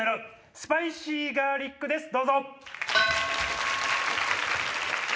スパイシーガーリックですどうぞ。